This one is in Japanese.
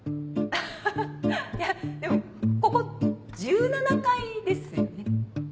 アハハいやでもここ１７階ですよね。